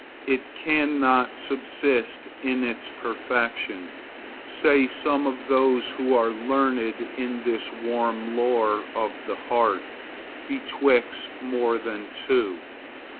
It cannot subsist in its perfection, say some of those who are learned in this warm lore of the heart, betwixt more than two.